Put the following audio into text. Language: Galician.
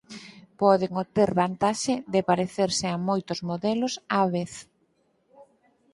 Poden obter vantaxe de parecerse a moitos modelos á vez.